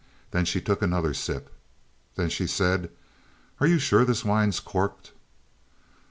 Then she took another sip. Then she said; "Are you sure this wine's corked?"